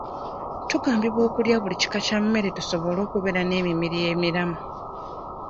Tugambibwa okulya buli kika kya mmere tusobole okubeera n'emibiri emiramu.